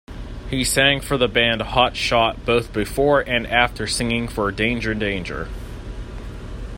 He sang for the band Hotshot both before and after singing for Danger Danger.